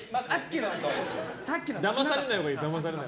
だまされないほうがいい。